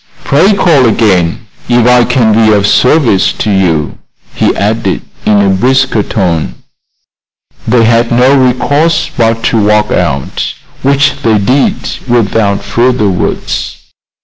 Pray call again if I can be of service to you," he added, in a brisker tone. They had no recourse but to walk out, which they did without further words.